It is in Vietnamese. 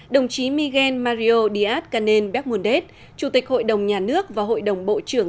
đồng chí miguel mario díaz canel becmundet chủ tịch hội đồng nhà nước và hội đồng bộ trưởng